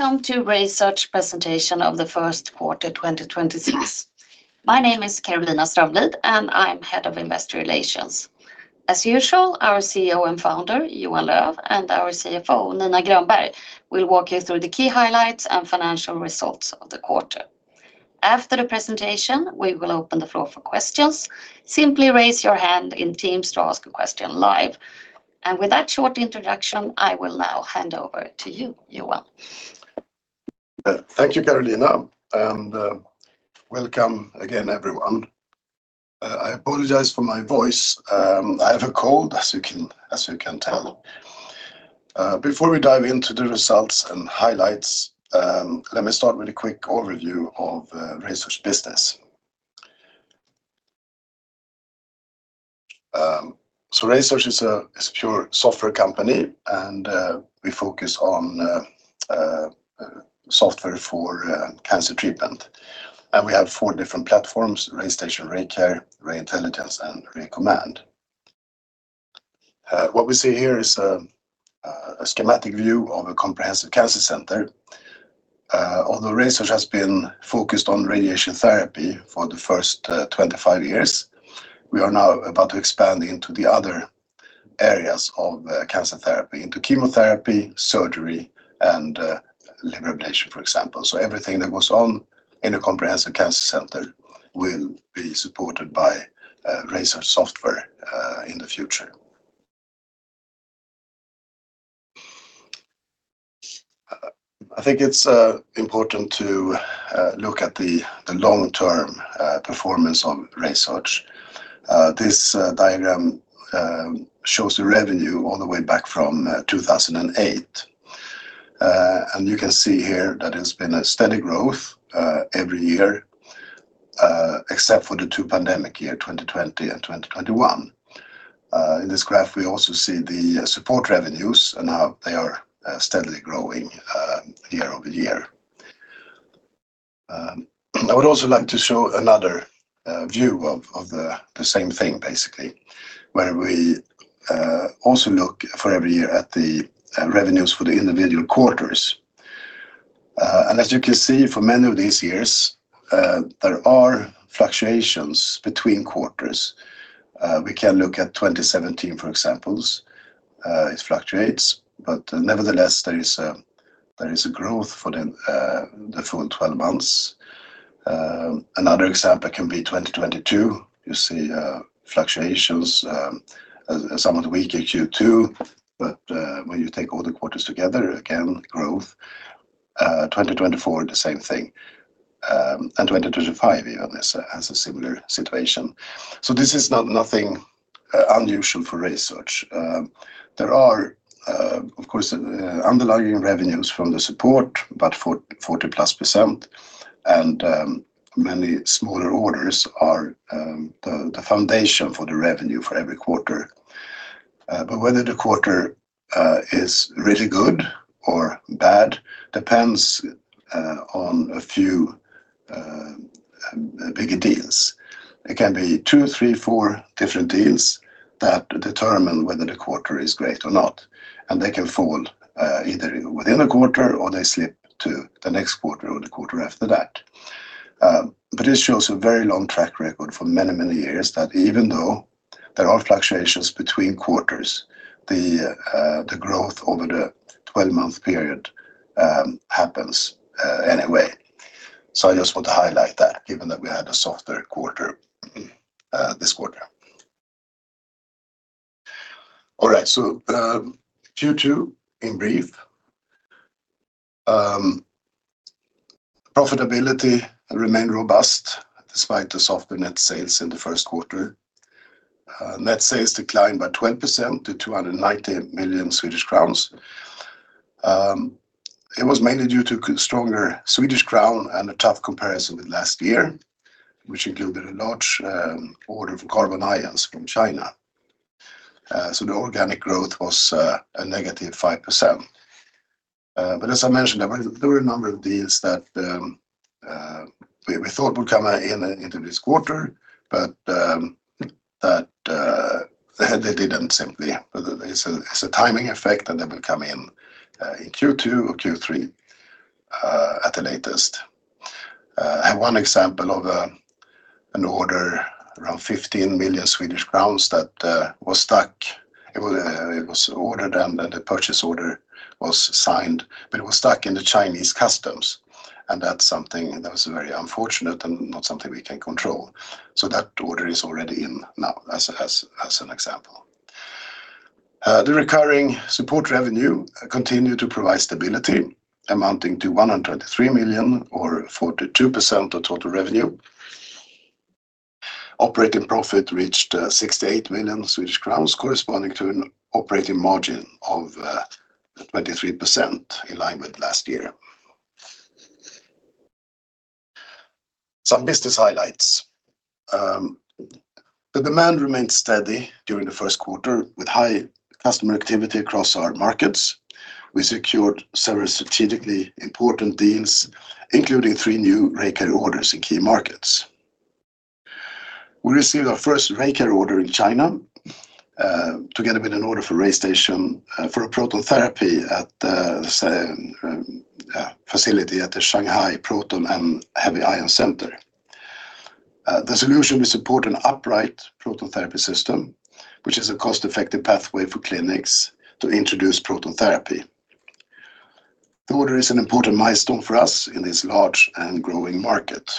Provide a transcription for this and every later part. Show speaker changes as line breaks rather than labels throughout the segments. Welcome to RaySearch presentation of the Q1 2026. My name is Carolina Strömlid. I'm Head of Investor Relations. As usual, our CEO and Founder, Johan Löf, and our CFO, Nina Granberg, will walk you through the key highlights and financial results of the quarter. After the presentation, we will open the floor for questions. Simply raise your hand in Teams to ask a question live. With that short introduction, I will now hand over to you, Johan.
Thank you, Carolina Strömlid, and welcome again, everyone. I apologize for my voice. I have a cold, as you can tell. Before we dive into the results and highlights, let me start with a quick overview of RaySearch business. RaySearch is a pure software company, and we focus on software for cancer treatment. We have four different platforms, RayStation, RayCare, RayIntelligence, and RayCommand. What we see here is a schematic view of a comprehensive cancer center. Although RaySearch has been focused on radiation therapy for the first 25 years, we are now about to expand into the other areas of cancer therapy, into chemotherapy, surgery, and liver ablation, for example. Everything that goes on in a comprehensive cancer center will be supported by RaySearch software in the future. I think it's important to look at the long-term performance of RaySearch. This diagram shows the revenue all the way back from 2008. You can see here that it's been a steady growth every year, except for the two pandemic year, 2020 and 2021. In this graph, we also see the support revenues and how they are steadily growing year-over-year. I would also like to show another view of the same thing, basically, where we also look for every year at the revenues for the individual quarters. As you can see, for many of these years, there are fluctuations between quarters. We can look at 2017, for example. It fluctuates, but nevertheless, there is a growth for the full 12 months. Another example can be 2022. You see fluctuations, a somewhat weaker Q2, but when you take all the quarters together, again, growth. 2024, the same thing. 2025 even has a similar situation. This is not nothing unusual for RaySearch. There are, of course, underlying revenues from the support, about 40-plus%. Many smaller orders are the foundation for the revenue for every quarter. Whether the quarter is really good or bad depends on a few bigger deals. It can be 2, 3, 4 different deals that determine whether the quarter is great or not, and they can fall either within a quarter or they slip to the next quarter or the quarter after that. This shows a very long track record for many, many years that even though there are fluctuations between quarters, the growth over the 12-month period happens anyway. I just want to highlight that given that we had a softer quarter this quarter. Q2 in brief. Profitability remained robust despite the softer net sales in the Q1. Net sales declined by 20% to 290 million Swedish crowns. It was mainly due to stronger Swedish crown and a tough comparison with last year, which included a large order for Carbon Ions from China. The organic growth was a negative 5%. As I mentioned, there were a number of deals that we thought would come into this quarter, but they didn't simply. It's a timing effect, and they will come in Q2 or Q3 at the latest. One example of an order around 15 million Swedish crowns that was stuck. It was ordered and then the purchase order was signed, but it was stuck in the Chinese customs and that's something that was very unfortunate and not something we can control. That order is already in now, as an example. The recurring support revenue continued to provide stability amounting to 103 million or 42% of total revenue. Operating profit reached 68 million Swedish crowns, corresponding to an operating margin of 23% in line with last year. Some business highlights. The demand remained steady during the Q1 with high customer activity across our markets. We secured several strategically important deals, including 3 new RayCare orders in key markets. We received our first RayCare order in China, together with an order for RayStation, for a proton therapy facility at the Shanghai Proton and Heavy Ion Center. The solution will support an upright proton therapy system, which is a cost-effective pathway for clinics to introduce proton therapy. The order is an important milestone for us in this large and growing market.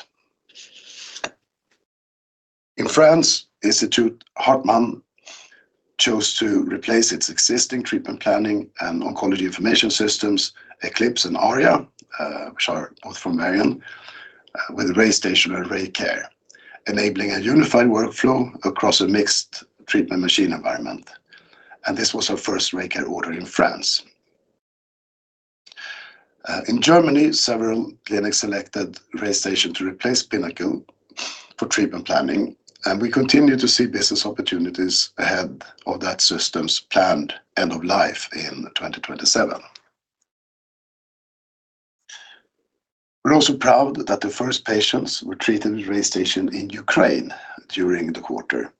In France, Institut Hartmann chose to replace its existing treatment planning and oncology information systems, Eclipse and ARIA, which are both from Varian, with RayStation and RayCare, enabling a unified workflow across a mixed treatment machine environment. This was our first RayCare order in France. In Germany, several clinics selected RayStation to replace Pinnacle³ for treatment planning. We continue to see business opportunities ahead of that system's planned end of life in 2027. We are also proud that the first patients were treated with RayStation in Ukraine during the quarter,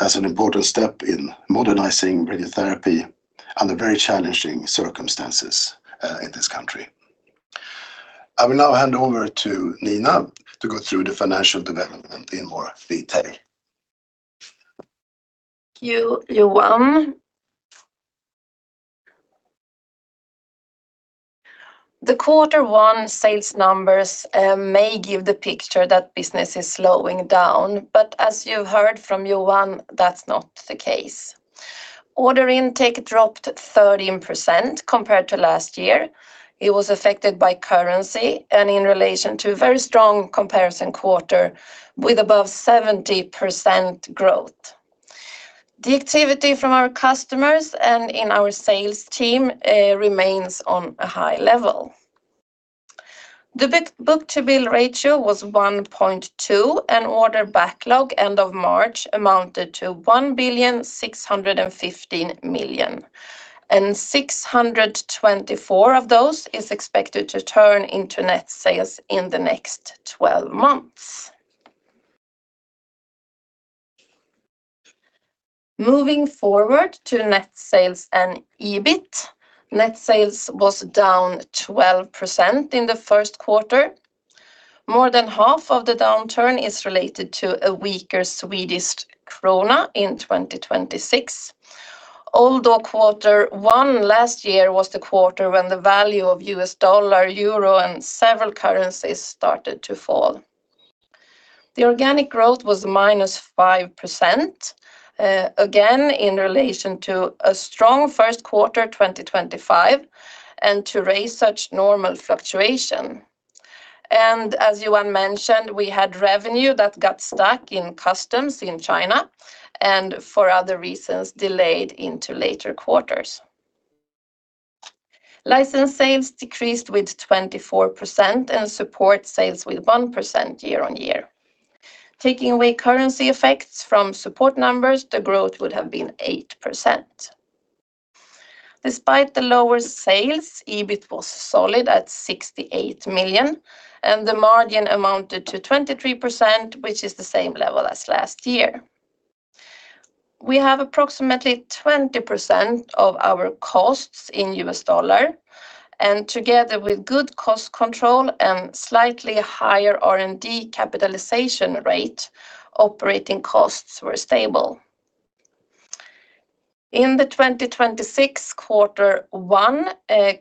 as an important step in modernizing radiotherapy under very challenging circumstances in this country. I will now hand over to Nina to go through the financial development in more detail.
Thank you, Johan. The quarter one sales numbers may give the picture that business is slowing down, but as you heard from Johan, that's not the case. Order intake dropped 13% compared to last year. It was affected by currency and in relation to a very strong comparison quarter with above 70% growth. The activity from our customers and in our sales team remains on a high level. The book-to-bill ratio was 1.2, and order backlog end of March amounted to 1.615 billion, and 624 million of those is expected to turn into net sales in the next 12 months. Moving forward to net sales and EBIT, net sales was down 12% in the Q1. More than half of the downturn is related to a weaker Swedish krona in 2026, although Q1 last year was the quarter when the value of U.S. dollar, euro, and several currencies started to fall. The organic growth was -5% again, in relation to a strong Q1 2025 and to RaySearch normal fluctuation. As Johan mentioned, we had revenue that got stuck in customs in China and for other reasons delayed into later quarters. License sales decreased with 24% and support sales with 1% year-on-year. Taking away currency effects from support numbers, the growth would have been 8%. Despite the lower sales, EBIT was solid at 68 million, and the margin amounted to 23%, which is the same level as last year. We have approximately 20% of our costs in U.S. dollar, and together with good cost control and slightly higher R&D capitalization rate, operating costs were stable. In the 2026 quarter 1,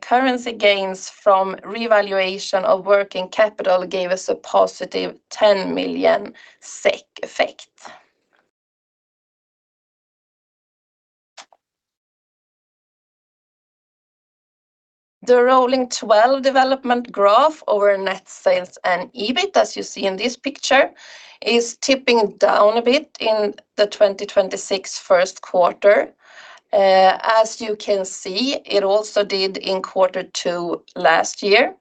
currency gains from revaluation of working capital gave us a positive 10 million SEK effect. The rolling 12 development graph over net sales and EBIT, as you see in this picture, is tipping down a bit in the 2026 1st quarter. As you can see, it also did in quarter 2 last year,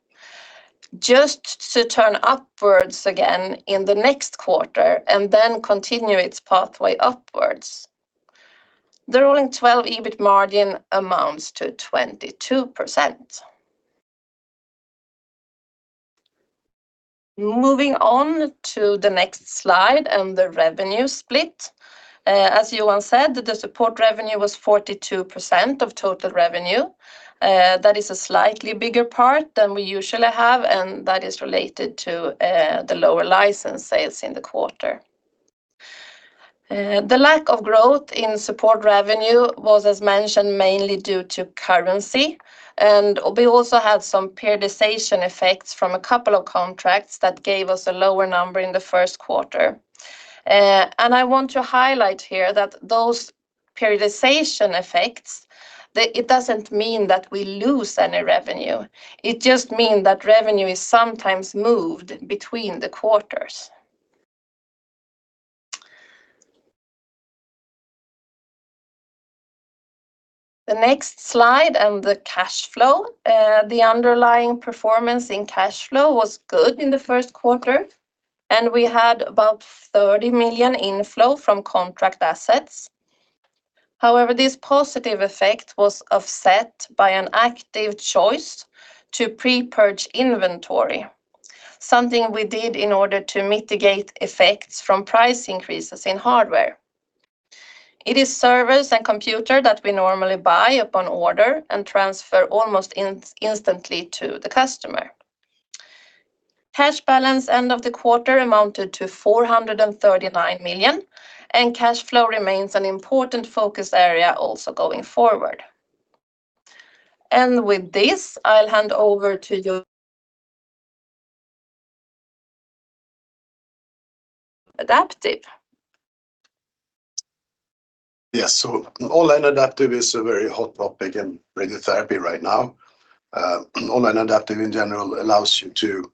just to turn upwards again in the next quarter and then continue its pathway upwards. The rolling 12 EBIT margin amounts to 22%. Moving on to the next slide and the revenue split, as Johan said, the support revenue was 42% of total revenue. That is a slightly bigger part than we usually have, and that is related to the lower license sales in the quarter. The lack of growth in support revenue was, as mentioned, mainly due to currency, and we also had some periodization effects from a couple of contracts that gave us a lower number in the Q1. And I want to highlight here that those periodization effects, it doesn't mean that we lose any revenue. It just mean that revenue is sometimes moved between the quarters. The next slide and the cash flow. The underlying performance in cash flow was good in the Q1, and we had about 30 million inflow from contract assets. However, this positive effect was offset by an active choice to pre-purge inventory, something we did in order to mitigate effects from price increases in hardware. It is servers and computer that we normally buy upon order and transfer almost instantly to the customer. Cash balance end of the quarter amounted to 439 million, cash flow remains an important focus area also going forward. With this, I'll hand over to you. Adaptive.
Yes. Online adaptive is a very hot topic in radiotherapy right now. Online adaptive in general allows you to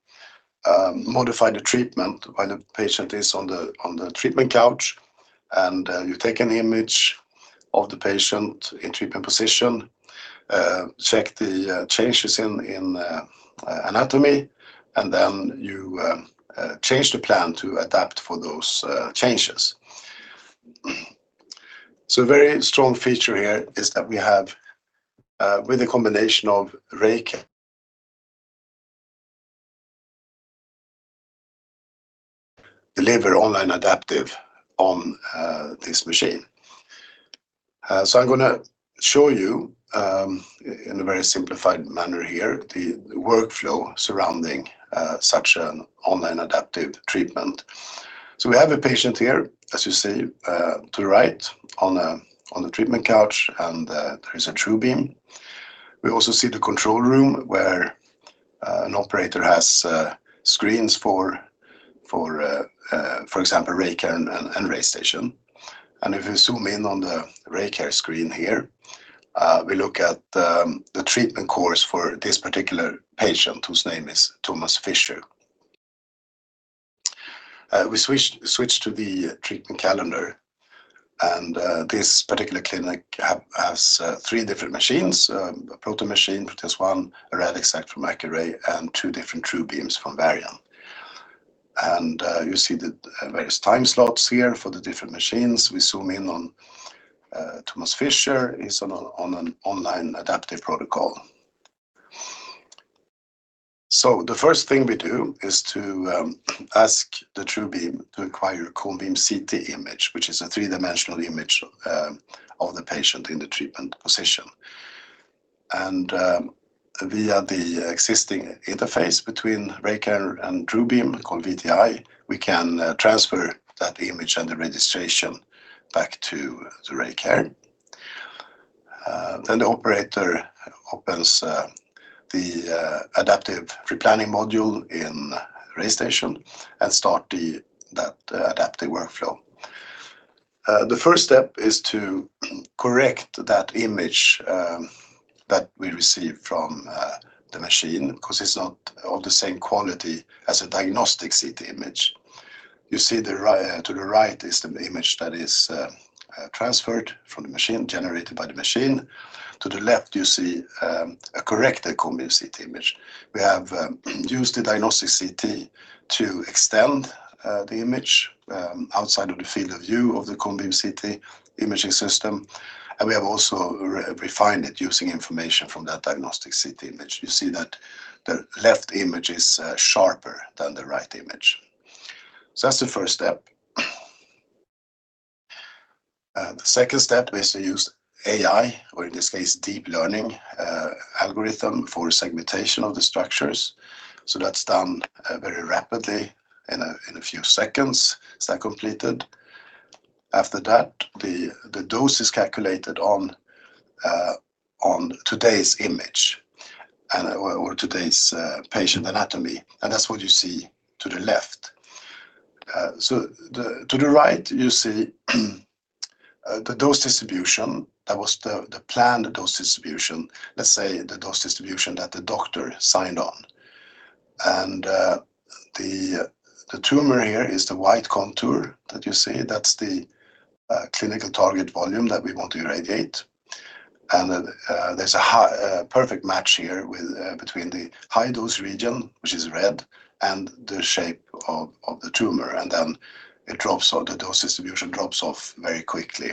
modify the treatment when a patient is on the treatment couch and you take an image of the patient in treatment position, check the changes in anatomy, and then you change the plan to adapt for those changes. A very strong feature here is that we have, with a combination of RayCare, deliver online adaptive on this machine. I'm gonna show you in a very simplified manner here the workflow surrounding such an online adaptive treatment. We have a patient here, as you see, to the right on a treatment couch, and there is a TrueBeam. We also see the control room where an operator has screens for example, RayCare and RayStation. If you zoom in on the RayCare screen here, we look at the treatment course for this particular patient whose name is Thomas Fisher. We switch to the treatment calendar, and this particular clinic has 3 different machines, a proton machine, Proteus ONE, a Radixact from Accuray, and 2 different TrueBeams from Varian. You see the various time slots here for the different machines. We zoom in on Thomas Fisher is on an online adaptive protocol. The first thing we do is to ask the TrueBeam to acquire a Cone beam CT image, which is a 3-dimensional image of the patient in the treatment position. Via the existing interface between RayCare and TrueBeam called VTI, we can transfer that image and the registration back to RayCare. Then the operator opens the adaptive pre-planning module in RayStation and start that adaptive workflow. The first step is to correct that image that we receive from the machine, 'cause it's not of the same quality as a diagnostic CT image. You see to the right is the image that is transferred from the machine, generated by the machine. To the left, you see a corrected Cone beam CT image. We have used the diagnostic CT to extend the image outside of the field of view of the Cone beam CT imaging system, and we have also re-refined it using information from that diagnostic CT image. You see that the left image is sharper than the right image. That's the first step. The second step is to use AI, or in this case, deep learning, algorithm for segmentation of the structures. That's done very rapidly in a few seconds, is that completed. After that, the dose is calculated on today's image or today's patient anatomy, and that's what you see to the left. To the right, you see the dose distribution. That was the planned dose distribution, let's say the dose distribution that the doctor signed on. The tumor here is the white contour that you see. That's the clinical target volume that we want to irradiate. There's a perfect match here with between the high-dose region, which is red, and the shape of the tumor. It drops off, the dose distribution drops off very quickly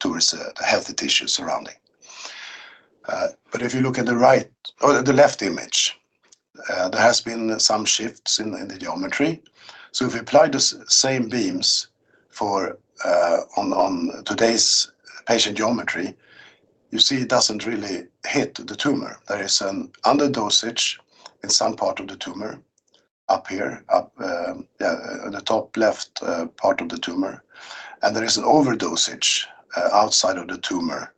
towards the healthy tissue surrounding. If you look at the right or the left image, there has been some shifts in the geometry. If we apply the same beams for on today's patient geometry, you see it doesn't really hit the tumor. There is an underdosage in some part of the tumor up here in the top left part of the tumor, and there is an overdosage outside of the tumor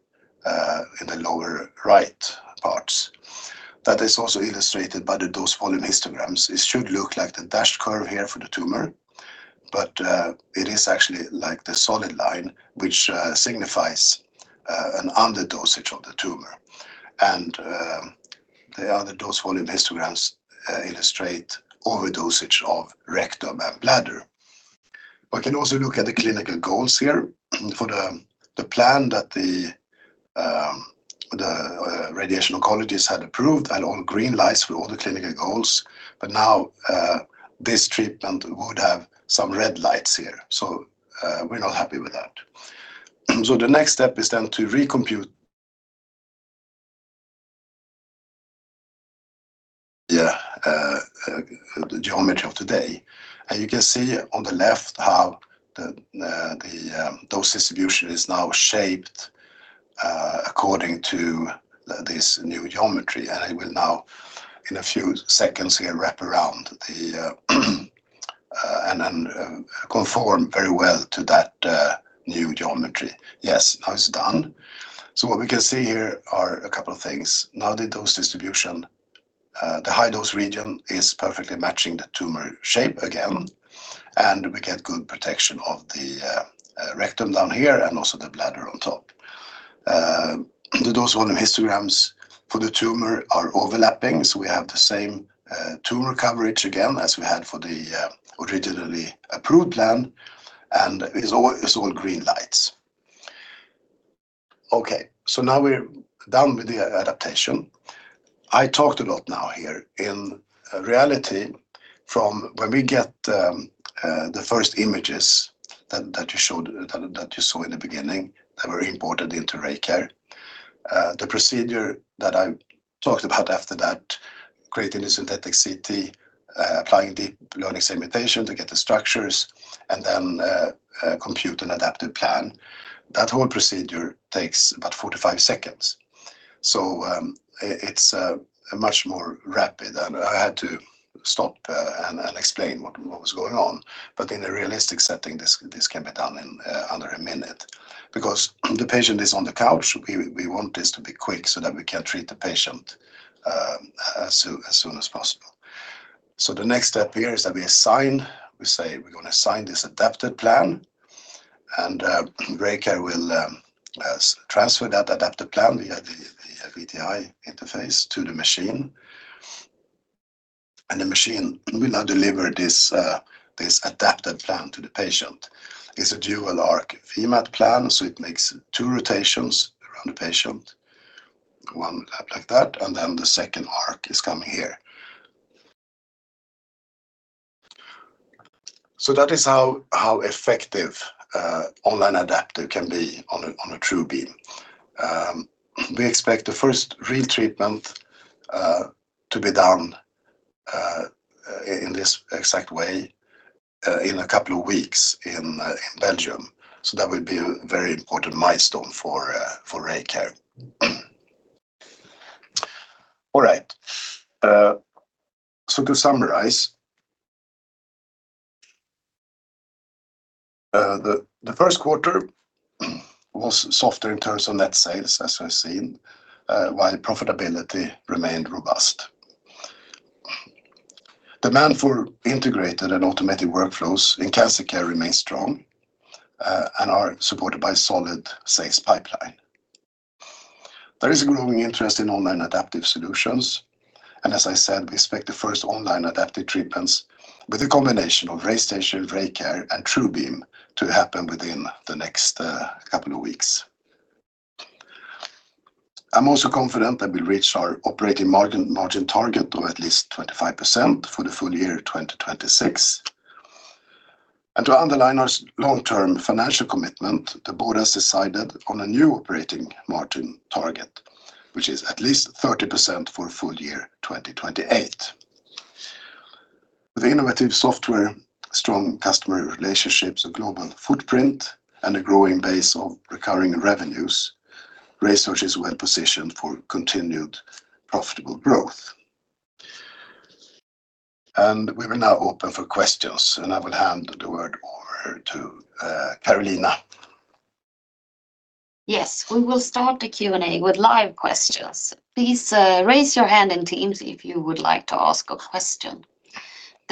in the lower right parts. That is also illustrated by the Dose-volume histograms. It should look like the dashed curve here for the tumor, but it is actually like the solid line, which signifies an underdosage of the tumor. The other Dose-volume histograms illustrate overdosage of rectum and bladder. We can also look at the clinical goals here for the plan that the radiation oncologist had approved and all green lights for all the clinical goals. Now, this treatment would have some red lights here, so we're not happy with that. The next step is to recompute the geometry of today and you can see on the left how the dose distribution is now shaped according to this new geometry and it will now in a few seconds here wrap around and then conform very well to that new geometry. Yes, now it's done. What we can see here are a couple of things. Now the dose distribution, the high dose region is perfectly matching the tumor shape again and we get good protection of the rectum down here and also the bladder on top. The Dose-volume histograms for the tumor are overlapping, so we have the same tumor coverage again as we had for the originally approved plan and it's all green lights. Okay, now we're done with the adaptation. I talked a lot now here. In reality, from when we get the first images that you showed, that you saw in the beginning that were imported into RayCare, the procedure that I talked about after that, creating a synthetic CT, applying deep learning segmentation to get the structures and then compute an adaptive plan, that whole procedure takes about 45 seconds. It's much more rapid and I had to stop and explain what was going on but in a realistic setting this can be done in under a minute. Because the patient is on the couch, we want this to be quick so that we can treat the patient as soon as possible. The next step here is that we assign, we say we're going to assign this adaptive plan, and RayCare will transfer that adaptive plan via the VTI interface to the machine and the machine will now deliver this adaptive plan to the patient. It's a dual arc VMAT plan, so it makes two rotations around the patient. One like that and then the second arc is coming here. That is how effective online adaptive can be on a TrueBeam. We expect the first real treatment to be done in this exact way in a couple of weeks in Belgium, so that will be a very important milestone for RayCare. All right. To summarize, the Q1 was softer in terms of net sales, as we've seen, while profitability remained robust. Demand for integrated and automated workflows in cancer care remains strong, and are supported by solid sales pipeline. There is a growing interest in online adaptive solutions and as I said, we expect the first online adaptive treatments with a combination of RayStation, RayCare and TrueBeam to happen within the next couple of weeks. I'm also confident that we'll reach our operating margin target of at least 25% for the full year 2026. To underline our long-term financial commitment, the board has decided on a new operating margin target, which is at least 30% for full year 2028. With innovative software, strong customer relationships, a global footprint and a growing base of recurring revenues, RaySearch is well positioned for continued profitable growth. We will now open for questions and I will hand the word over to Carolina.
We will start the Q&A with live questions. Please raise your hand in Teams if you would like to ask a question.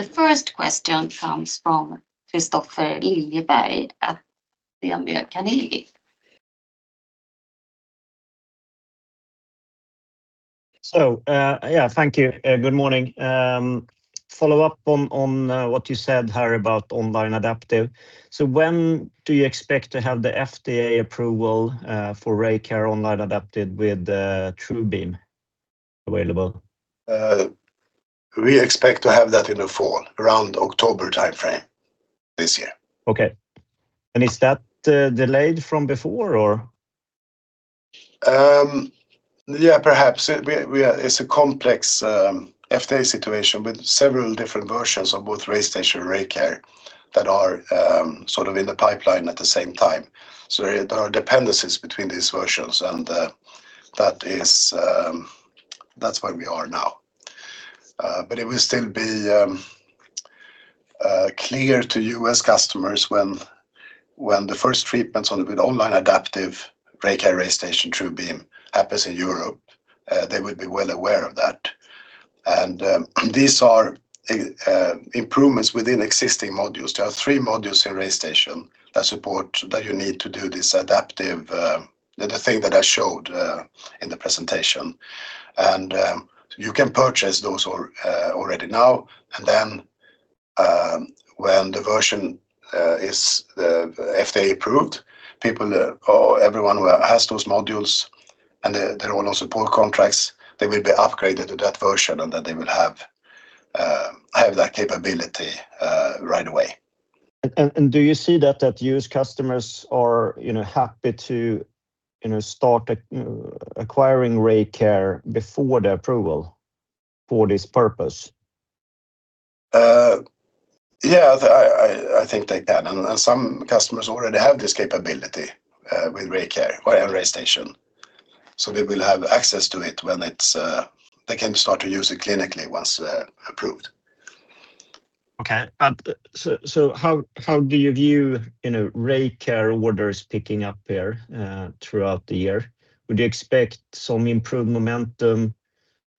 The first question comes from Kristofer Liljeberg at DNB Carnegie.
Thank you. Good morning. Follow up on what you said, Johan Löf, about online adaptive. When do you expect to have the FDA approval for RayCare online adaptive with the TrueBeam available?
We expect to have that in the fall, around October timeframe this year.
Okay. Is that, delayed from before or?
It's a complex FDA situation with several different versions of both RayStation and RayCare that are sort of in the pipeline at the same time. There are dependencies between these versions and that is that's where we are now. It will still be clear to U.S. customers when the first treatments on, with online adaptive RayCare, RayStation, TrueBeam happens in Europe. They will be well aware of that. These are improvements within existing modules. There are three modules in RayStation that support, that you need to do this adaptive, the thing that I showed in the presentation. You can purchase those already now. When the version is FDA approved, people, or everyone who has those modules and they're all on support contracts, they will be upgraded to that version and then they will have that capability right away.
Do you see that U.S. customers are, you know, happy to, you know, start acquiring RayCare before the approval for this purpose?
Yeah, I think they can. Some customers already have this capability with RayCare or RayStation. They will have access to it. They can start to use it clinically once approved.
Okay. How do you view, you know, RayCare orders picking up here throughout the year? Would you expect some improved momentum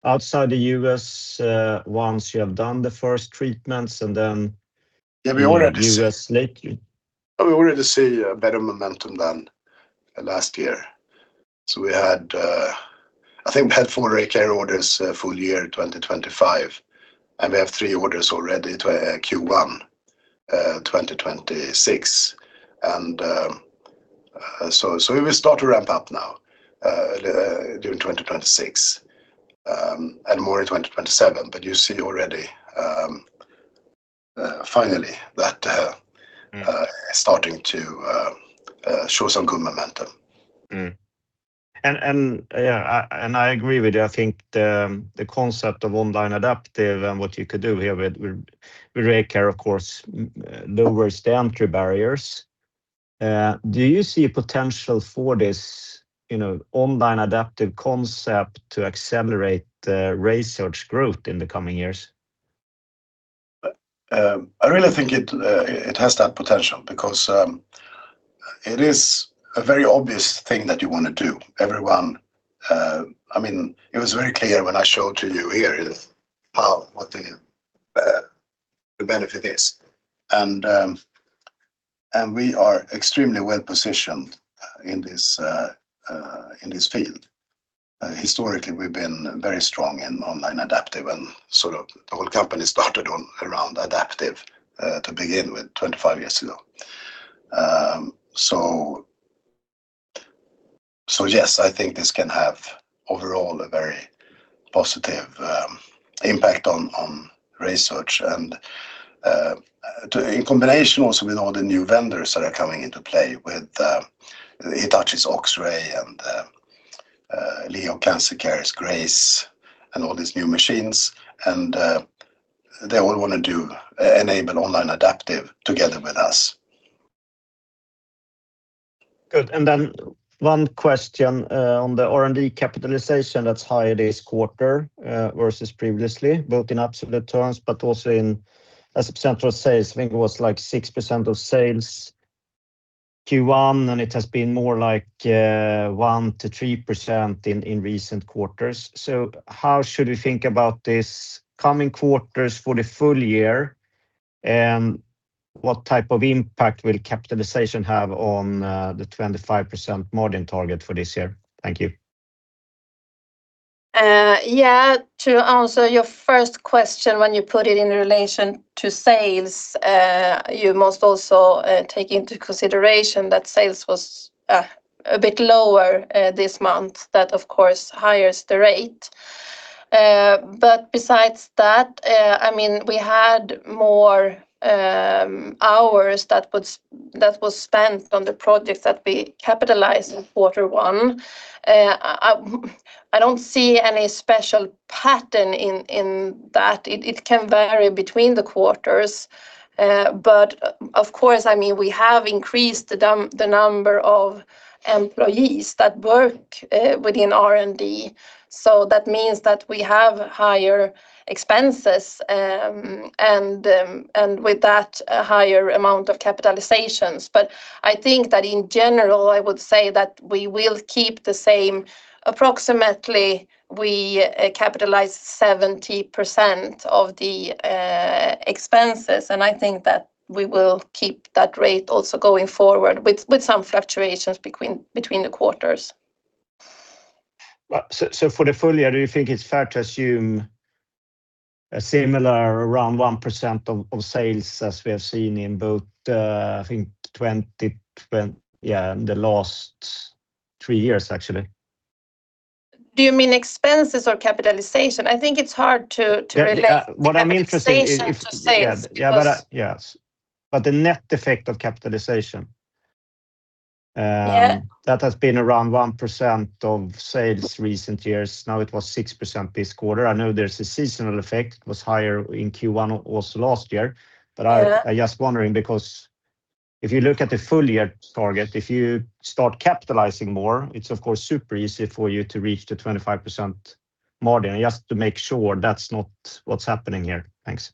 outside the U.S. once you have done the first treatments?
Yeah, we already.
in the U.S. lately?
We already see a better momentum than last year. We had, I think we had 4 RayCare orders, full year 2025, and we have 3 orders already to Q1 2026. We will start to ramp up now during 2026 and more in 2027. Starting to show some good momentum.
Yeah, I agree with you. I think the concept of online adaptive and what you could do here with RayCare, of course, lowers the entry barriers. Do you see potential for this, you know, online adaptive concept to accelerate the RaySearch growth in the coming years?
I really think it has that potential because it is a very obvious thing that you wanna do. Everyone, I mean, it was very clear when I showed to you here is how, what the benefit is. We are extremely well-positioned in this field. Historically, we've been very strong in online adaptive and sort of the whole company started on around adaptive to begin with, 25 years ago. Yes, I think this can have overall a very positive impact on RaySearch. In combination also with all the new vendors that are coming into play with Hitachi's OXRAY and Leo Cancer Care's Grace and all these new machines, and they all wanna do enable online adaptive together with us.
Good. One question on the R&D capitalization that's higher this quarter versus previously, both in absolute terms, but also as a percent of sales. I think it was like 6% of sales Q1, and it has been more like 1%-3% in recent quarters. How should we think about this coming quarters for the full year? What type of impact will capitalization have on the 25% margin target for this year? Thank you.
Yeah, to answer your first question, when you put it in relation to sales, you must also take into consideration that sales was a bit lower this month. That, of course, raises the rate. But besides that, I mean, we had more hours that was spent on the projects that we capitalized in quarter one. I don't see any special pattern in that. It can vary between the quarters. But of course, I mean, we have increased the number of employees that work within R&D. That means that we have higher expenses, and with that, a higher amount of capitalizations. I think that in general, I would say that we will keep the same. Approximately, we capitalize 70% of the expenses. I think that we will keep that rate also going forward with some fluctuations between the quarters.
For the full year, do you think it's fair to assume a similar around 1% of sales as we have seen in both, I think yeah, in the last 3 years, actually?
Do you mean expenses or capitalization? I think it's hard to relate.
Yeah. What I'm interested
capitalization to sales because.
Yeah, but, yes. The net effect of.
Yeah
That has been around 1% of sales recent years. It was 6% this quarter. I know there's a seasonal effect. It was higher in Q1 also last year.
Yeah
I was just wondering because if you look at the full year target, if you start capitalizing more, it's of course super easy for you to reach the 25% margin. Just to make sure that's not what's happening here. Thanks.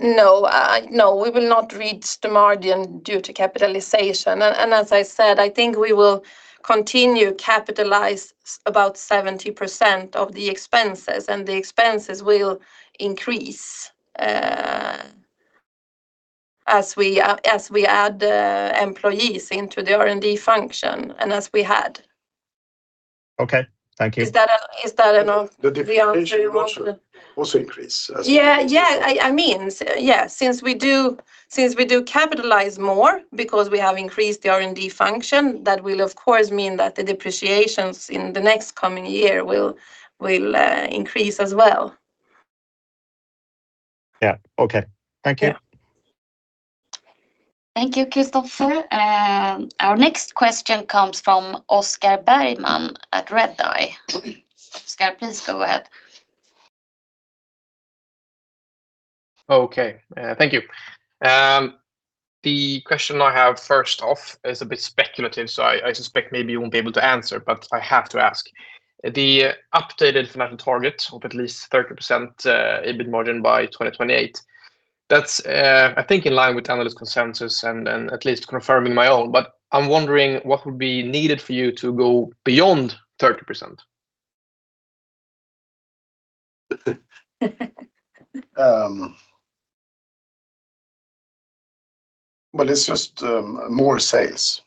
No. No, we will not reach the margin due to capitalization. As I said, I think we will continue capitalize about 70% of the expenses, and the expenses will increase, As we add employees into the R&D function and as we had
Okay, thank you.
Is that enough, the answer you want?
The depreciation will also increase as well.
Yeah. Yeah. I mean, since we do capitalize more because we have increased the R&D function, that will of course mean that the depreciations in the next coming year will increase as well.
Yeah. Okay. Thank you.
Thank you, Kristofer. Our next question comes from Oscar Bergman at Redeye. Oscar, please go ahead.
Okay. Thank you. The question I have first off is a bit speculative, so I suspect maybe you won't be able to answer, but I have to ask. The updated financial target of at least 30% EBIT margin by 2028, that's I think in line with analyst consensus and at least confirming my own, but I'm wondering what would be needed for you to go beyond 30%?
Well, it's just more sales.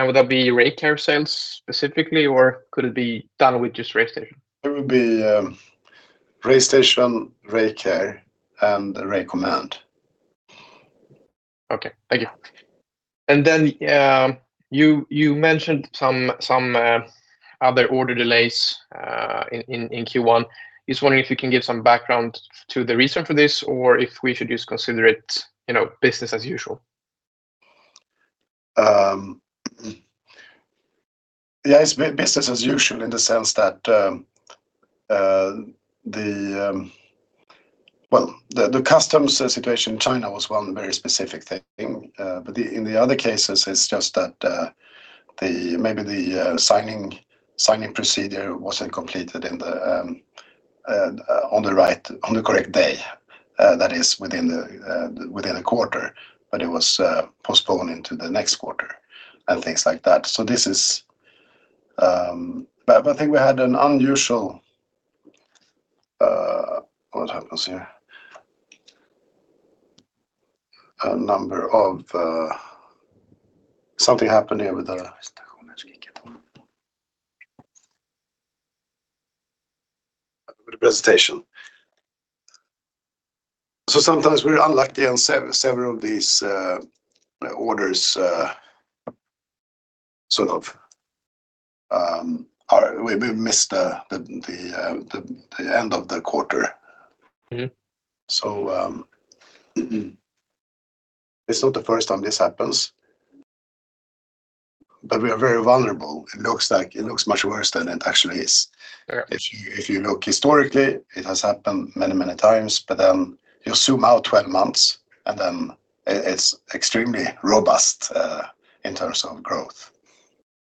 Would that be RayCare sales specifically, or could it be done with just RayStation?
It would be, RayStation, RayCare, and RayCommand.
Okay. Thank you. You mentioned some other order delays in Q1. Just wondering if you can give some background to the reason for this, or if we should just consider it, you know, business as usual?
Yeah, it's business as usual in the sense that the customs situation in China was one very specific thing. In the other cases it's just that maybe the signing procedure wasn't completed on the right, on the correct day. That is within the within the quarter, it was postponed into the next quarter and things like that. I think we had an unusual, what happens here? Something happened here with the presentation. Sometimes we're unlucky and several of these orders sort of miss the end of the quarter.
Mm-hmm.
It's not the first time this happens, but we are very vulnerable. It looks much worse than it actually is.
Yeah.
If you look historically, it has happened many times, but then you zoom out 12 months and then it's extremely robust in terms of growth.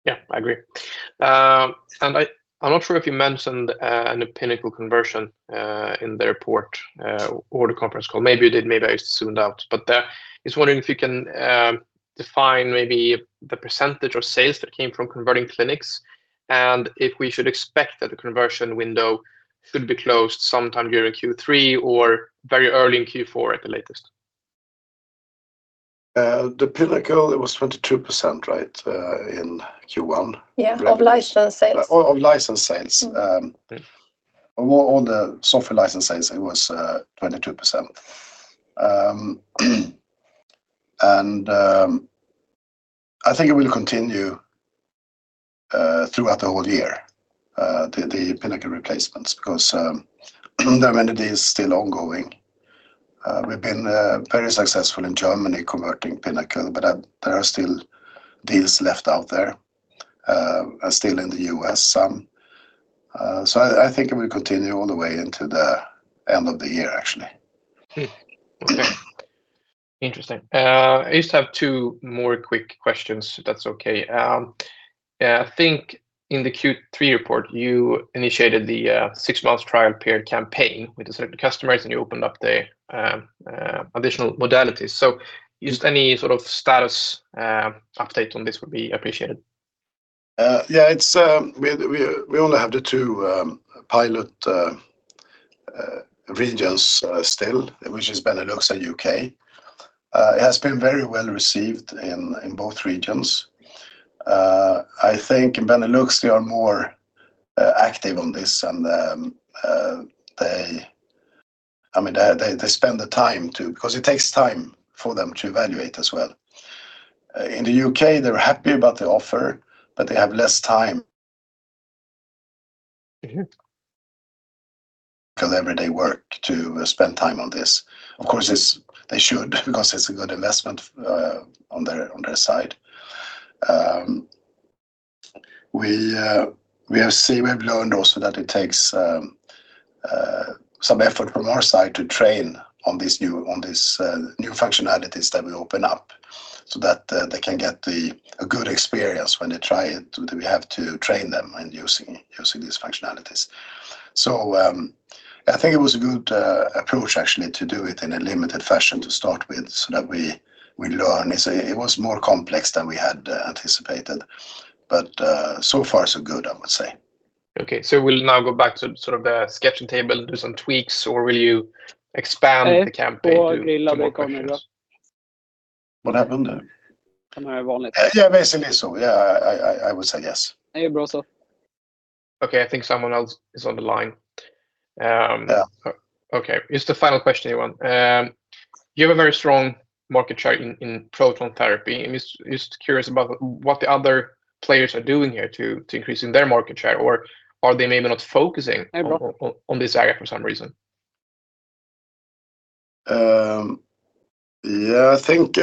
Yeah, I agree. I'm not sure if you mentioned in the Pinnacle³ conversion in the report or the conference call. Maybe you did, maybe I zoomed out, but just wondering if you can define maybe the percentage of sales that came from converting clinics and if we should expect that the conversion window should be closed sometime during Q3 or very early in Q4 at the latest?
The Pinnacle³, it was 22%, right? In Q1.
Yeah, of license sales.
Of license sales. On all the software license sales it was 22%. I think it will continue throughout the whole year, the Pinnacle³ replacements because the mandate is still ongoing. We've been very successful in Germany converting Pinnacle³, but there are still deals left out there, and still in the U.S. some. I think it will continue all the way into the end of the year actually.
Okay. Interesting. I just have two more quick questions if that's okay. I think in the Q3 report, you initiated the six months trial period campaign with the selected customers, and you opened up the additional modalities. Just any sort of status update on this would be appreciated.
Yeah, it's, we only have the two pilot regions still, which is Benelux and U.K. It has been very well received in both regions. I think in Benelux they are more active on this and, I mean, they spend the time to, because it takes time for them to evaluate as well. In the U.K. they're happy about the offer, but they have less time.
Mm-hmm
Because everyday work to spend time on this. Of course, it's, they should because it's a good investment, on their side. We have seen, we have learned also that it takes some effort from our side to train on these new functionalities that we open up so that they can get a good experience when they try it. We have to train them in using these functionalities. I think it was a good approach actually to do it in a limited fashion to start with so that we learn. It was more complex than we had anticipated, but so far so good, I would say.
Okay. We'll now go back to sort of the sketching table and do some tweaks, or will you expand the campaign to do more countries?
What happened there?
Kind of a wallet.
Yeah, basically so. Yeah, I would say yes.
Okay, I think someone else is on the line.
Yeah.
Okay, it's the final question you want. You have a very strong market share in proton therapy. I'm just curious about what the other players are doing here to increasing their market share, or are they maybe not focusing on this area for some reason?
Yeah, I think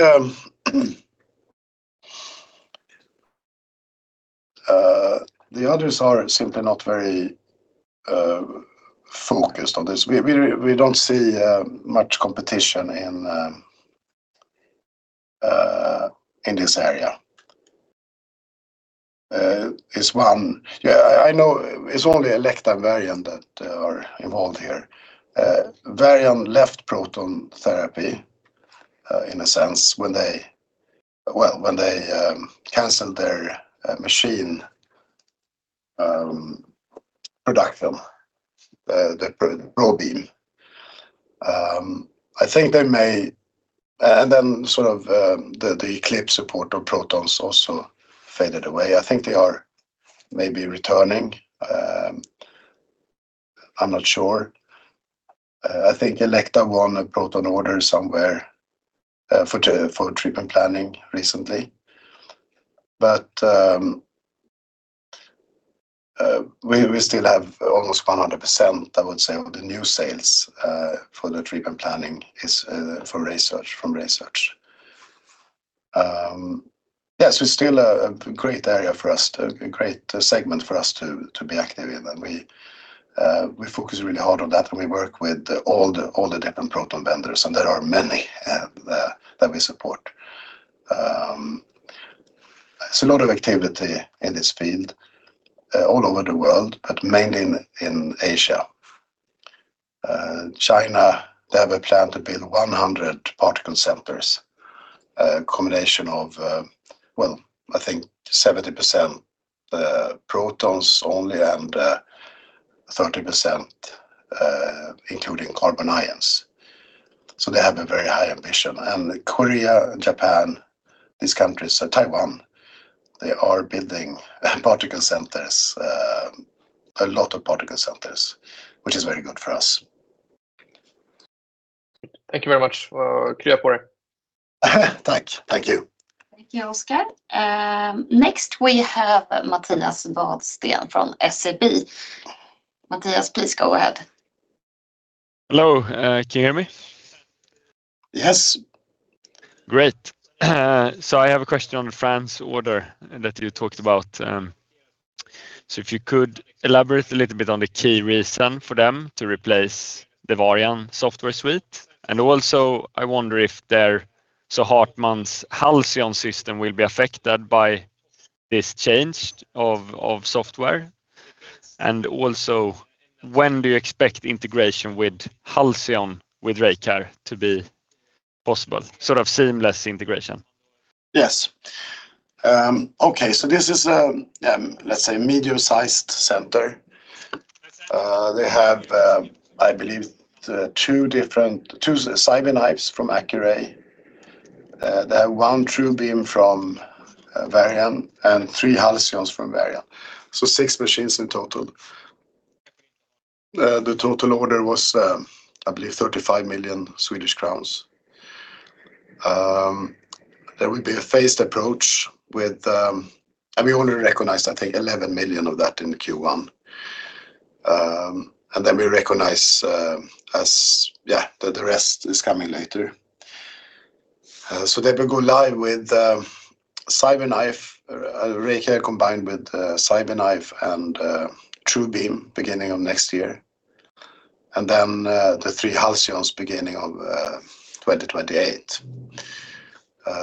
the others are simply not very focused on this. We don't see much competition in this area. Yeah, I know it's only Elekta and Varian that are involved here. Varian left proton therapy in a sense when they canceled their machine production, the ProBeam. I think they may, and then the Eclipse support of protons also faded away. I think they are maybe returning. I'm not sure. I think Elekta won a proton order somewhere for treatment planning recently. We still have almost 100%, I would say, of the new sales for the treatment planning is for RaySearch, from RaySearch. It's still a great segment for us to be active in. We focus really hard on that, and we work with all the different proton vendors, and there are many that we support. There's a lot of activity in this field all over the world, but mainly in Asia. China, they have a plan to build 100 particle centers, a combination of 70% protons only and 30% including carbon ions. They have a very high ambition. Korea and Japan, these countries, Taiwan, they are building particle centers, a lot of particle centers, which is very good for us.
Thank you very much. clear border.
Thank you.
Thank you, Oscar. Next we have Mattias Vadsten from SEB. Mattias, please go ahead.
Hello, can you hear me?
Yes.
Great. I have a question on France order that you talked about. If you could elaborate a little bit on the key reason for them to replace the Varian software suite. Also, I wonder if their Hartmann's Halcyon system will be affected by this change of software. Also, when do you expect integration with Halcyon, with RayCare to be possible, sort of seamless integration?
Yes. This is, let's say medium-sized center. They have, I believe, two CyberKnives from Accuray. They have one TrueBeam from Varian and three Halcyons from Varian. Six machines in total. The total order was, I believe 35 million Swedish crowns. There will be a phased approach. We only recognized, I think, 11 million of that in Q1. Then we recognize, the rest is coming later. They will go live with CyberKnife, RayCare combined with CyberKnife and TrueBeam beginning of next year, the three Halcyons beginning of 2028.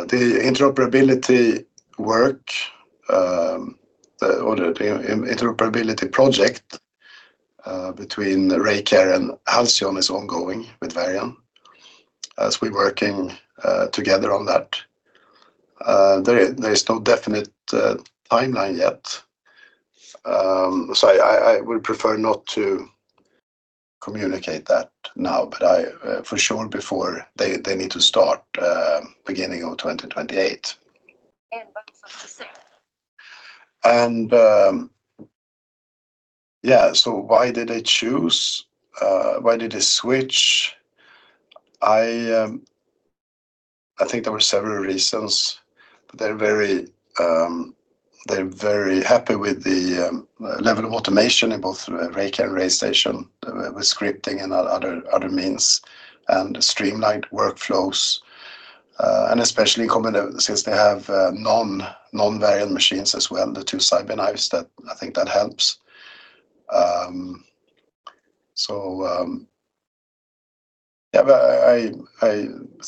The interoperability work, interoperability project between RayCare and Halcyon is ongoing with Varian, as we working together on that. There is no definite timeline yet. I will prefer not to communicate that now, but I for sure before they need to start beginning of 2028. Why did they choose? Why did they switch? I think there were several reasons. They're very, they're very happy with the level of automation in both RayCare and RayStation with scripting and other means and streamlined workflows. Especially since they have non-Varian machines as well, the two CyberKnives that I think that helps. I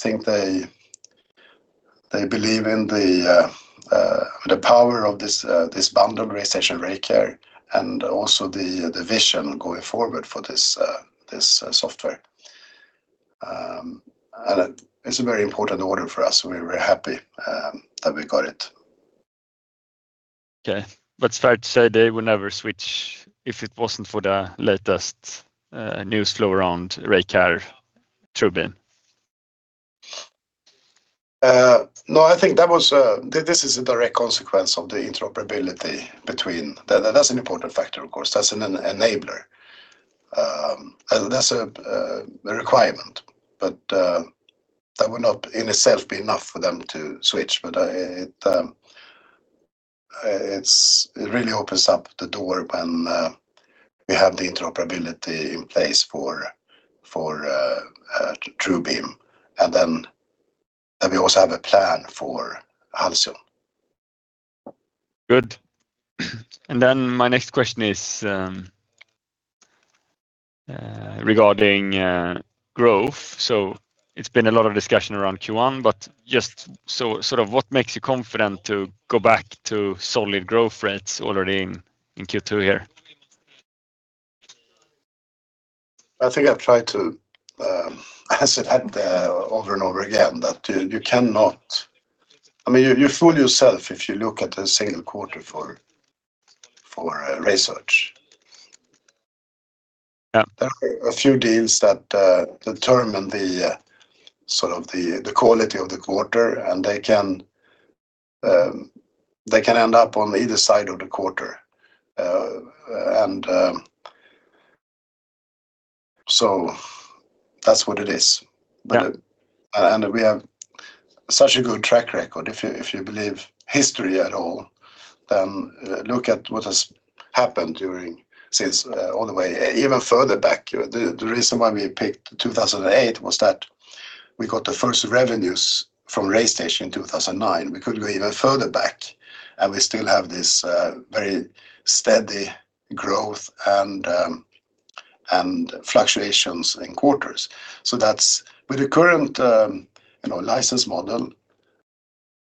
think they believe in the power of this bundle of RayStation and RayCare and also the vision going forward for this software. It's a very important order for us. We're very happy that we got it.
Okay. It's fair to say they would never switch if it wasn't for the latest news flow around RayCare TrueBeam.
No, I think that was this is a direct consequence of the interoperability. That's an important factor, of course. That's an enabler. That's a requirement, but that would not in itself be enough for them to switch. It's, it really opens up the door when we have the interoperability in place for TrueBeam and then that we also have a plan for Halcyon.
Good. My next question is, regarding growth. It's been a lot of discussion around Q1, but what makes you confident to go back to solid growth rates already in Q2 here?
I think I've tried to, I said that over and over again, that you cannot, I mean, you fool yourself if you look at a single quarter for RaySearch.
Yeah.
There are a few deals that determine the sort of the quality of the quarter, and they can end up on either side of the quarter. That's what it is.
Yeah.
We have such a good track record. If you believe history at all, look at what has happened during, since all the way, even further back. You know, the reason why we picked 2008 was that we got the first revenues from RayStation in 2009. We could go even further back, and we still have this very steady growth and fluctuations in quarters. That's, with the current, you know, license model,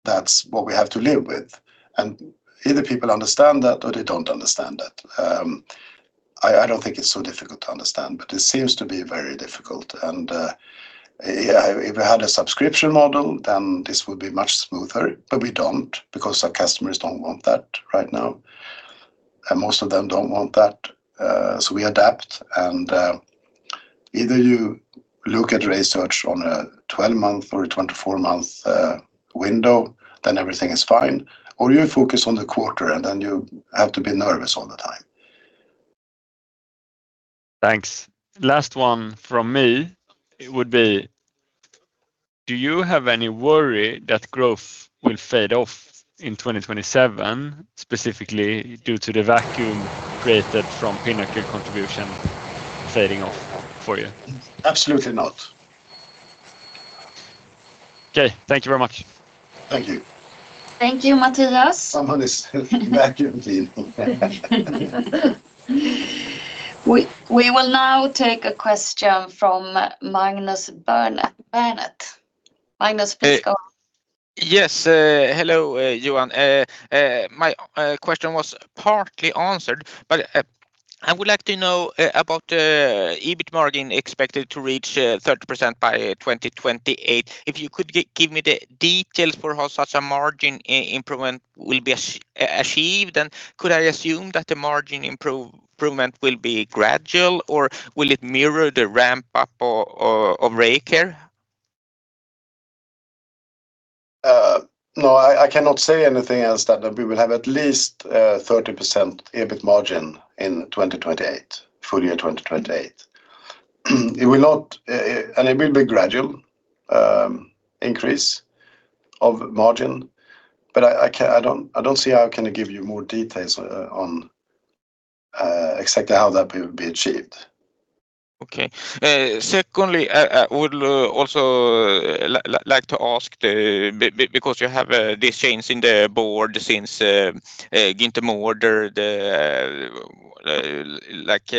that's what we have to live with, and either people understand that or they don't understand that. I don't think it's so difficult to understand, but it seems to be very difficult. If we had a subscription model, this would be much smoother. We don't because our customers don't want that right now, and most of them don't want that. We adapt and either you look at RaySearch on a 12-month or a 24-month window, everything is fine, or you focus on the quarter and you have to be nervous all the time.
Thanks. Last one from me, it would be, do you have any worry that growth will fade off in 2027, specifically due to the vacuum created from Pinnacle³ contribution fading off for you?
Absolutely not.
Okay. Thank you very much.
Thank you.
Thank you, Mattias.
Someone is vacuum clean.
We will now take a question from Magnus Berntsson. Magnus, please go.
Yes. Hello, Johan. My question was partly answered, but I would like to know about EBIT margin expected to reach 30% by 2028. If you could give me the details for how such a margin improvement will be achieved, and could I assume that the margin improvement will be gradual, or will it mirror the ramp up of RayCare?
No, I cannot say anything else than that we will have at least 30% EBIT margin in 2028, full year 2028. It will not, it will be gradual increase of margin, but I don't, I don't see how I can give you more details on exactly how that will be achieved.
Okay. Secondly, I would also like to ask because you have this change in the board since Günther Mårder, the, like,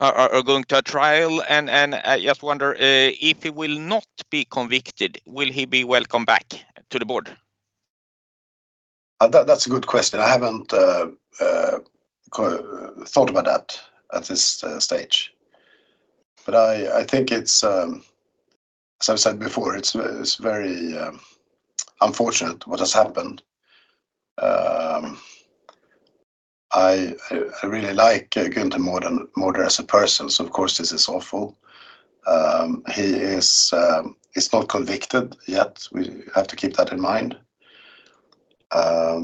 are going to a trial and I just wonder if he will not be convicted, will he be welcome back to the board?
That's a good question. I haven't thought about that at this stage, but I think it's, as I've said before, it's very unfortunate what has happened. I really like Günther Mårder as a person, so of course this is awful. He's not convicted yet. We have to keep that in mind. I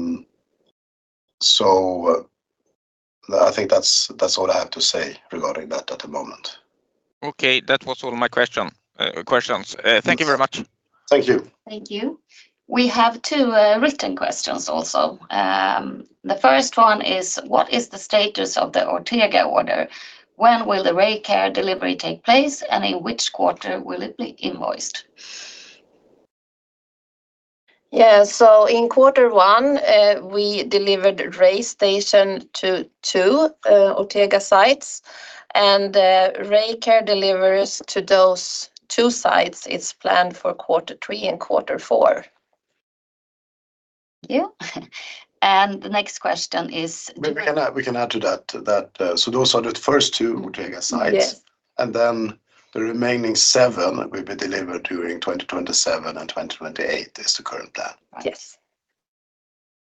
think that's all I have to say regarding that at the moment.
Okay. That was all my question, questions. Thank you very much.
Thank you.
Thank you. We have two written questions also. The first one is, what is the status of the Ortega order? When will the RayCare delivery take place, and in which quarter will it be invoiced?
In quarter one, we delivered RayStation to two Ortega sites, and RayCare delivers to those two sites. It's planned for quarter three and quarter four.
Yeah. The next question is.
We can add to that, those are the first two Ortega sites.
Yes
The remaining 7 will be delivered during 2027 and 2028 is the current plan.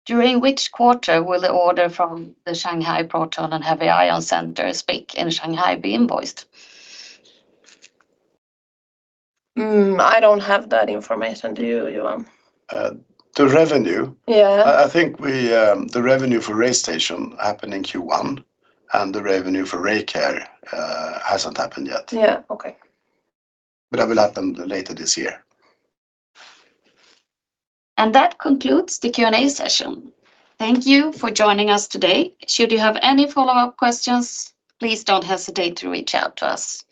Yes. During which quarter will the order from the Shanghai Proton and Heavy Ion Center, SPHIC, in Shanghai be invoiced?
I don't have that information. Do you, Johan?
The revenue.
Yeah...
I think we, the revenue for RayStation happened in Q1, and the revenue for RayCare hasn't happened yet.
Yeah. Okay.
It will happen later this year.
That concludes the Q&A session. Thank you for joining us today. Should you have any follow-up questions, please don't hesitate to reach out to us.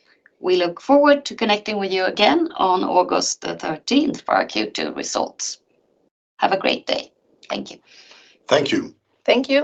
We look forward to connecting with you again on August the 13th for our Q2 results. Have a great day. Thank you.
Thank you.
Thank you.